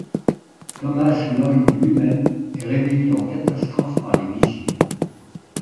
Thomas Lloyd lui-même est réveillé en catastrophe par les vigies.